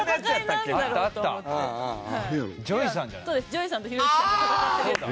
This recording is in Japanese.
ＪＯＹさんとひろゆきさんが戦ってるやつ。